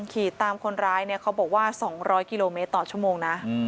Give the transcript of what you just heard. ขี่ตามคนร้ายเนี่ยเขาบอกว่า๒๐๐กิโลเมตรต่อชั่วโมงนะ